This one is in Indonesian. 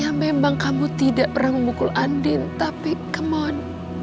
ya memang kamu tidak pernah memukul andin tapi kemon